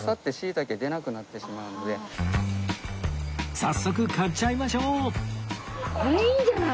早速狩っちゃいましょう！